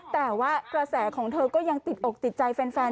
แต่ว่ากระแสของเธอก็ยังติดอกติดใจแฟน